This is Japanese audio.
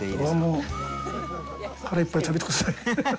もう腹いっぱい食べてください。